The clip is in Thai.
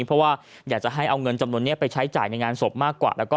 เพราะอยากจะให้มีเงินจำนวนนี้ต้องใช้ใจในงานสบเพียบมาก